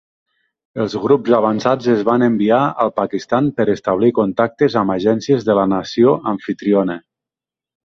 Els grups avançats es van enviar al Pakistan per establir contactes amb agències de la nació amfitriona.